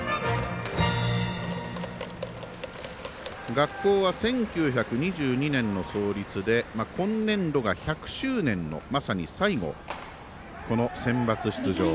学校は１９２２年の創立で今年度が１００周年のまさに最後、このセンバツ出場。